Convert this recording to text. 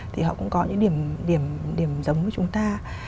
thì họ cũng có những điểm điểm giống với chúng ta